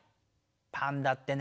パンダってね